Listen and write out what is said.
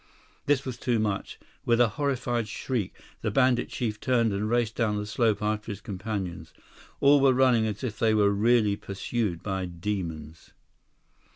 This was too much. With a horrified shriek, the bandit chief turned and raced down the slope after his companions. All were running as if they were really pursued by demons.